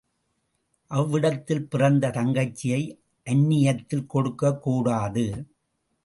அவிட்டத்தில் பிறந்த தங்கச்சியை அந்நியத்தில் கொடுக்கக் கூடாது.